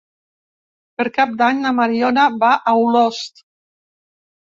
Per Cap d'Any na Mariona va a Olost.